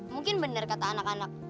mungkin benar kata anak anak